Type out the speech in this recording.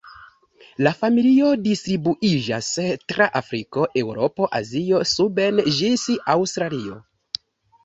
La familio distribuiĝas tra Afriko, Eŭropo, Azio suben ĝis Aŭstralio.